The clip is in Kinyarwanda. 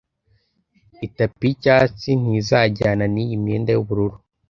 Itapi yicyatsi ntizajyana niyi myenda yubururu.